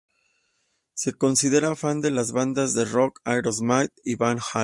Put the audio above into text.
Se consideran fan de las bandas de rock Aerosmith y Van Halen.